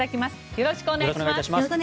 よろしくお願いします。